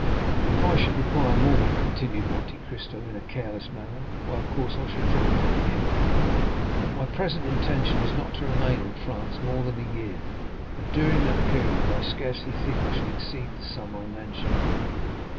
"Then, if I should require more," continued Monte Cristo in a careless manner, "why, of course, I should draw upon you; but my present intention is not to remain in France more than a year, and during that period I scarcely think I shall exceed the sum I mentioned.